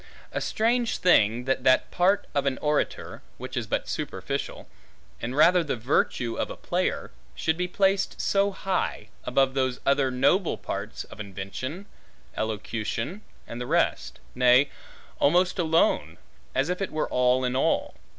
A strange thing, that that part of an orator, which is but superficial, and rather the virtue of a player, should be placed so high, above those other noble parts, of invention, elocution, and the rest; nay, almost alone, as if it were all in all.